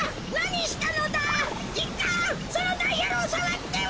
そのダイヤルをさわっては！